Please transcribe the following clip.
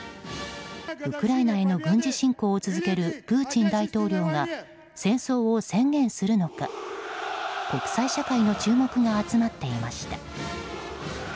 ウクライナへの軍事侵攻を続けるプーチン大統領が戦争を宣言するのか国際社会の注目が集まっていました。